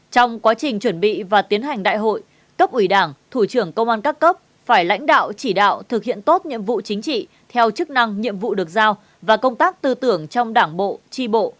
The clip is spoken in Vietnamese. trong quá trình chuẩn bị và tiến hành đại hội cấp ủy đảng thủ trưởng công an các cấp phải lãnh đạo chỉ đạo thực hiện tốt nhiệm vụ chính trị theo chức năng nhiệm vụ được giao và công tác tư tưởng trong đảng bộ tri bộ